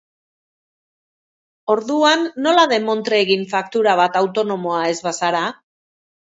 Orduan, nola demontre egin faktura bat, autonomoa ez bazara?